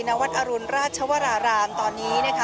นวัฒน์อรุณราชวรรามตอนนี้